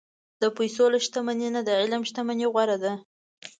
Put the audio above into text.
د پیسو له شتمنۍ نه، د علم شتمني غوره ده.